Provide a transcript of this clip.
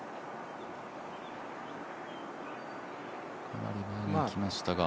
かなり前に来ましたが。